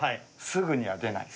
「すぐには出ない」